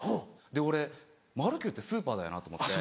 俺マルキュウってスーパーだよなと思って。